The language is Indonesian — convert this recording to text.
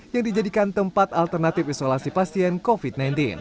yang dijadikan tempat alternatif isolasi pasien covid sembilan belas